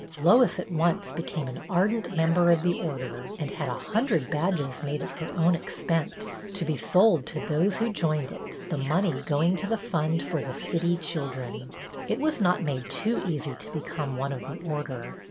Lois at once became an ardent member of the Order, and had a hundred badges made at her own expense, to be sold to those who joined it, the money going to the fund for the city children. It was not made too easy to become one of the Order.